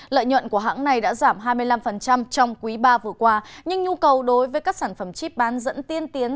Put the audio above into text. lợi nhuận của hãng này đã giảm hai mươi năm trong quý ba vừa qua nhưng nhu cầu đối với các sản phẩm chip bán dẫn tiên tiến